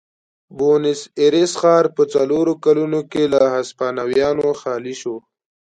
بونیس ایرس ښار په څلورو کلونو کې له هسپانویانو خالي شو.